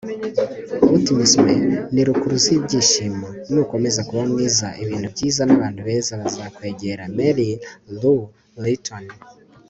optimism ni rukuruzi y'ibyishimo. nukomeza kuba mwiza, ibintu byiza n'abantu beza bazakwegera. - mary lou retton